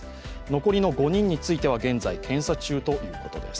残りの５人については現在、検査中ということです。